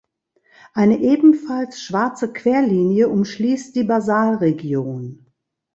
Eine ebenfalls schwarze Querlinie umschließt die Basalregion.